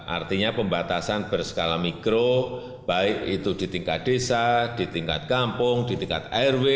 artinya pembatasan berskala mikro baik itu di tingkat desa di tingkat kampung di tingkat rw